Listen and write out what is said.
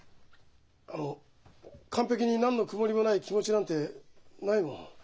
あの完璧に何の曇りもない気持ちなんてないもん。